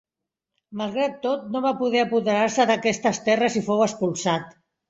Malgrat tot, no va poder apoderar-se d'aquestes terres i fou expulsat.